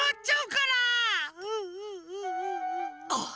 あっ！